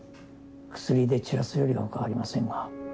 薬で散らすより他ありませんが。